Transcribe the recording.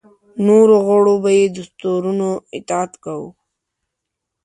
نورو غړو به یې دستورونو اطاعت کاوه.